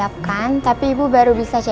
ada tukang melbourne